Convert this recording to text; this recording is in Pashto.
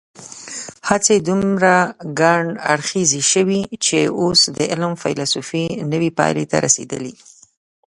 هڅې دومره ګڼ اړخیزې شوي چې اوس د علم فېلسوفي نوې پایلې ته رسېدلې.